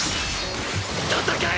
戦え！